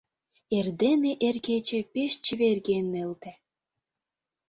Эрдене эр кече пеш чеверген нӧлтӧ.